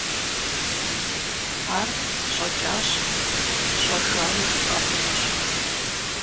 Ар щӀэкӀащ, щӀэжауи жыпӀэ хъунущ.